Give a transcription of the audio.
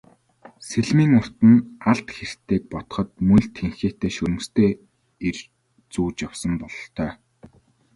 Сэлмийн урт нь алд хэртэйг бодоход мөн л тэнхээтэй шөрмөстэй эр зүүж явсан бололтой.